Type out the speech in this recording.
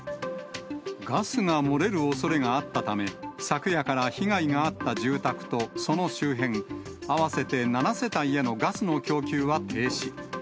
ガスが漏れるおそれがあったため、昨夜から被害があった住宅とその周辺、合わせて７世帯へのガスの供給は停止。